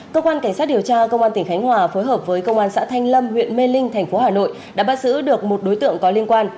cơ quan cảnh sát điều tra công an tỉnh khánh hòa phối hợp với công an xã thanh lâm huyện mê linh thành phố hà nội đã bắt giữ được một đối tượng có liên quan